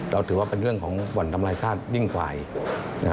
ถือว่าเป็นเรื่องของบ่อนทำลายชาติยิ่งกว่าอีก